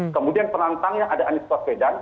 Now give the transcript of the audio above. kemudian penantangnya ada anies paswedan